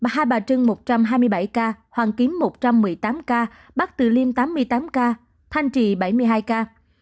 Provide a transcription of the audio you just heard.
hai bà trưng một trăm hai mươi bảy ca hoàng kiếm một trăm một mươi tám ca bắc từ liêm tám mươi tám ca thanh trì bảy mươi hai ca